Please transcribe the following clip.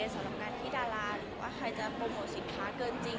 สำหรับการที่ดาราหรือว่าใครจะโปรโมทสินค้าเกินจริง